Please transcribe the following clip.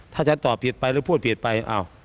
ถ้าฉันตอบผิดไปหรือพูดผิดไป